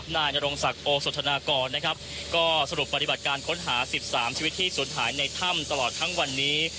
นายนรงศักดิ์โอสธนากรนะครับก็สรุปปฏิบัติการค้นหา๑๓ชีวิตที่สูญหายในถ้ำตลอดทั้งวันนี้